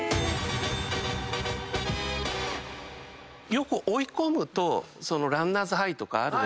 よく追い込むとランナーズハイとかあるじゃない。